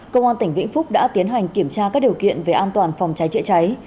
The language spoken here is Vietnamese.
công an tỉnh vĩnh phúc đã tiến hành kiểm tra các điều kiện về an toàn phòng cháy chữa cháy